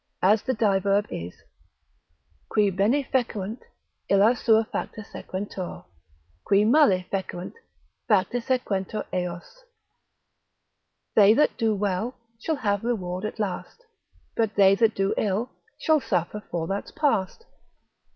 As the diverb is, Qui bene fecerunt, illi sua facta sequentur; Qui male fecerunt, facta sequentur eos: They that do well, shall have reward at last: But they that ill, shall suffer for that's past.